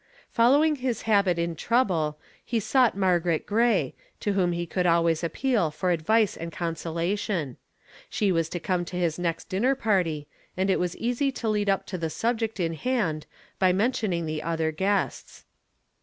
Following his habit in trouble, he sought Margaret Gray, to whom he could always appeal for advice and consolation. She was to come to his next dinner party, and it was easy to lead up to the subject in hand by mentioning the other guests.